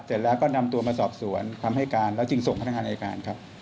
เสร็จแล้วก็นำตัวมาสอบสวนคำให้การแล้วจึงส่งพนักงานอายการครับ